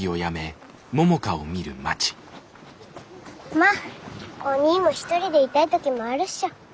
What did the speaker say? まっおにぃも一人でいたい時もあるっしょ。